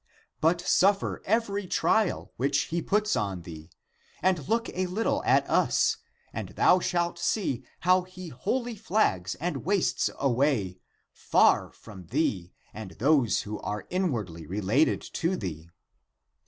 But suffer every trial, which he puts on thee, and look a little at us, and thou shalt see how he wholly flags and wastes away, far from thee and those which are in wardly related to thee.